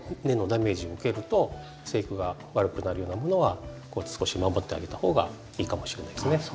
根のダメージ受けると生育が悪くなるようなものは少し守ってあげた方がいいかもしれないですね。